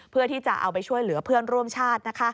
เพื่อที่จะเอาไปช่วยเหลือเพื่อนร่วมชาติ